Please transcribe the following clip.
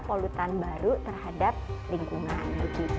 polutan baru terhadap lingkungan